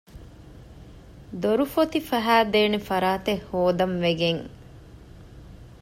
ދޮރުފޮތި ފަހައިދޭނެ ފަރާތެއް ހޯދަން ވެގެން